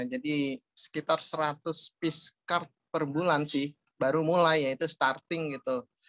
jadi sekitar seratus piece kartu per bulan sih baru mulai ya itu starting gitu